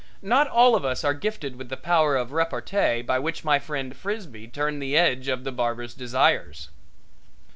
Not all of us are gifted with the power of repartee by which my friend Frisbee turned the edge of the barber's desires.